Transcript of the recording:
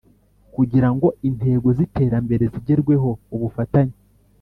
Kugira ngo intego z’ iterambere zigerweho ubufatanye